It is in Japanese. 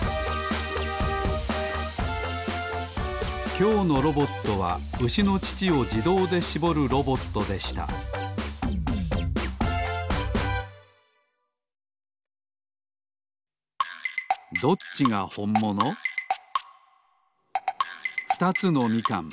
きょうのロボットはうしのちちをじどうでしぼるロボットでしたふたつのみかん。